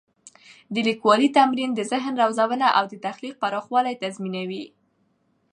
د لیکوالي تمرین د ذهن روزنه او د تخلیق پراخوالی تضمینوي.